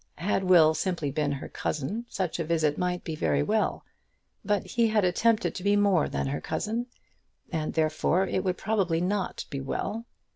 Had Will simply been her cousin, such a visit might be very well; but he had attempted to be more than her cousin, and therefore it would probably not be well.